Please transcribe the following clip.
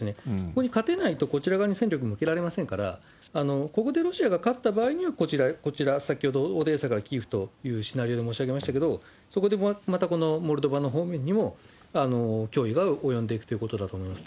ここに勝てないと、こちら側に戦力向けられませんから、ここでロシアが勝った場合には、こちら、先ほどオデーサからキーウというシナリオを申し上げましたけど、そこでまたこのモルドバの方面にも脅威が及んでいくということだと思います。